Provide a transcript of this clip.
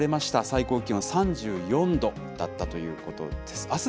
最高気温３４度だったということです。